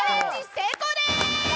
成功でーす！！